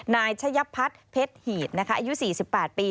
นายชะยพัฒน์เพชรหีบอายุ๔๘ปี